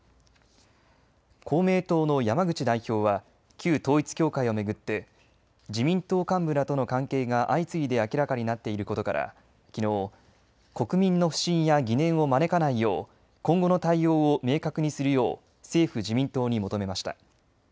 公明党の山口代表は旧統一教会を巡って自民党幹部らとの関係が相次いで明らかになっていることからきのう、国民の不信や疑念を招かないよう今後の対応を明確にするよう政府・自民党に求めました。